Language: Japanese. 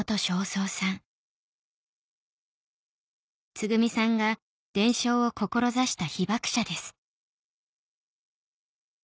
つぐみさんが伝承を志した被爆者です